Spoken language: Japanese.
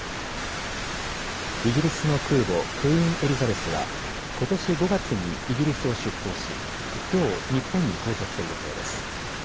イギリスの空母、クイーン・エリザベスはことし５月にイギリスを出航しきょう日本に到着する予定です。